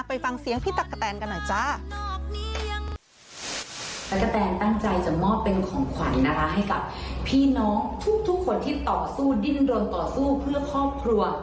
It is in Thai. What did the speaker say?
ไปฟังเสียงพี่ตั๊กกะแตนกันหน่อยจ้า